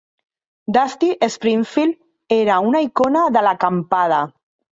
Dusty Springfield era una icona de l'acampada.